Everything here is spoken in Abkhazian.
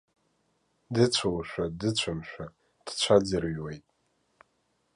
Дыцәоушәа, дыцәамшәа, дцәаӡырҩуеит.